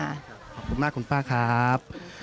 ขอบคุณมากคุณป้าครับ